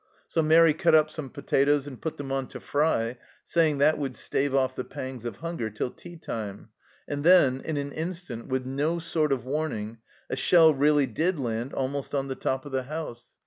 So Mairi cut up some potatoes and put them on to fry, saying that would stave off the pangs of hunger till tea time, and then, in an instant, with no sort of warning, a shell really did land almost on the top of the house.